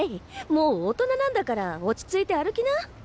もう大人なんだから落ち着いて歩きな。